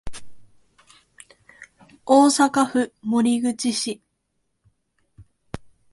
大阪府守口市